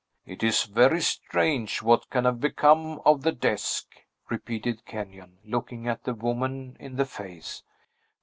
"It is very strange what can have become of the desk!" repeated Kenyon, looking the woman in the face.